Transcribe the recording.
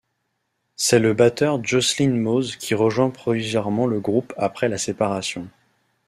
C'est le batteur Jocelyn Moze qui rejoint provisoirement le groupe après la séparation.